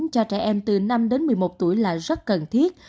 cho trẻ em từ năm đến một mươi một tuổi là rất cần thiết